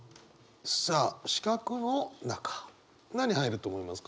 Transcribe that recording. さあ四角の中何入ると思いますか？